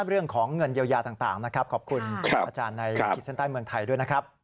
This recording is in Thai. เรื่องของเงินเยียวยาต่างนะครับขอบคุณอาจารย์ในขีดเส้นใต้เมืองไทยด้วยนะครับ